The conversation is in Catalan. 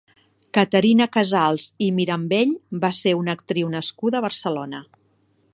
Caterina Casals i Mirambell va ser una actriu nascuda a Barcelona.